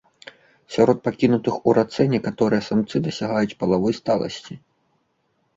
Сярод пакінутых у рацэ некаторыя самцы дасягаюць палавой сталасці.